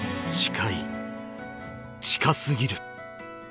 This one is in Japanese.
近過ぎる］